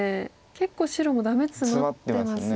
結構白もダメツマってますよね。